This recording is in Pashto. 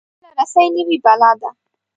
رسۍ کله رسۍ نه وي، بلا ده.